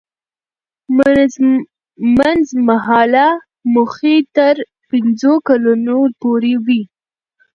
منځمهاله موخې تر پنځو کلونو پورې وي.